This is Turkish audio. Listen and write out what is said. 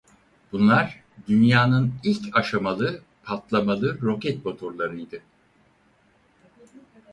Bunlar dünyanın ilk aşamalı patlamalı roket motorlarıydı.